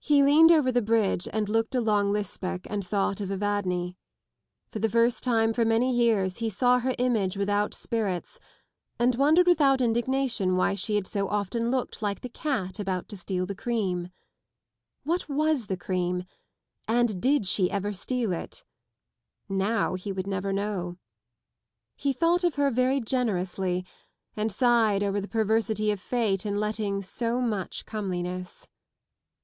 He leaned over the bridge and looked along Lisbech and thought of Evadne. For the first time for many years he saw her image without spirits, and wondered without indignation why she had so often looked like the cat about to steal the cream. What was the cream? And did she ever steal it? Now he would never na know. He thought ol her very generously and sighed over the perversity of fate la letting so much comeliness.